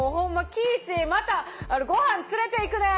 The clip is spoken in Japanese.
喜一またごはん連れていくね。